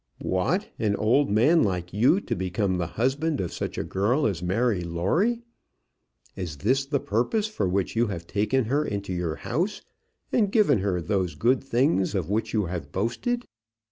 "What! an old man like you to become the husband of such a girl as Mary Lawrie! Is this the purpose for which you have taken her into your house, and given her those good things of which you have boasted?"